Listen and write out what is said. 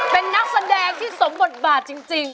เป็นนักแสดงที่สมบทบาทจริง